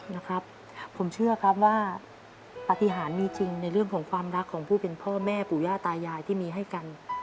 นะครับผมเชื่อครับว่าปฏิหารมีจริงในเรื่องของความรักของผู้เป็นพ่อแม่ปู่ย่าตายายที่มีให้กัน